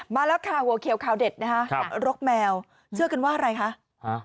มาแล้วค่ะหัวเขียวข่าวเด็ดนะคะครับรกแมวเชื่อกันว่าอะไรคะ